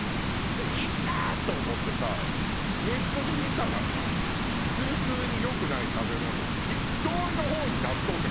で痛っ！と思ってさネットで見たらさ痛風に良くない食べ物筆頭の方に納豆って書いてあるのよ。